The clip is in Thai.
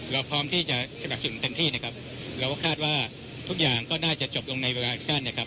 เราพร้อมที่จะสนับสนุนเต็มที่นะครับเราก็คาดว่าทุกอย่างก็น่าจะจบลงในเวลาอีกสั้นนะครับ